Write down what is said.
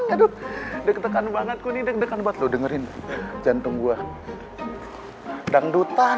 aduh deg degan banget kuning deg degan buat lo dengerin jantung gua dangdutan